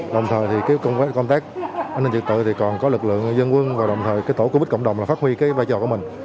đồng thời thì công tác công tác an ninh trật tự thì còn có lực lượng dân quân và đồng thời cái tổ covid cộng đồng là phát huy cái vai trò của mình